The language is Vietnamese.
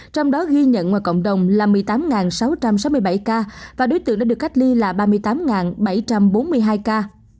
trong đó ghi nhận ngoài cộng đồng là một mươi tám sáu trăm sáu mươi bảy ca và đối tượng đã được cách ly là ba mươi tám bảy trăm bốn mươi hai ca